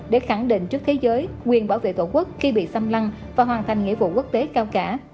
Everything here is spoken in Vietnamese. để khẳng định trước thế giới quyền bảo vệ tổ quốc khi bị xâm lăng và hoàn thành nghĩa vụ quốc tế cao cả